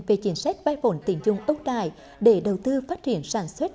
về chiến sách vai vốn tỉnh chung ốc đại để đầu tư phát triển sản xuất